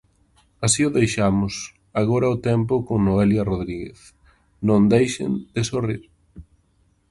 Así o deixamos, agora o tempo con Noelia Rodríguez, non deixen de sorrir.